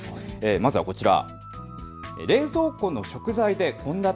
まずはこちら。